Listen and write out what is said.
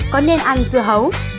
có nên ăn dưa hấu